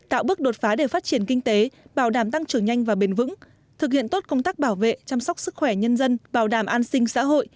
tạo bước đột phá để phát triển kinh tế bảo đảm tăng trưởng nhanh và bền vững thực hiện tốt công tác bảo vệ chăm sóc sức khỏe nhân dân bảo đảm an sinh xã hội